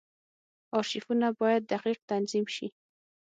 ارشیفونه باید دقیق تنظیم شي.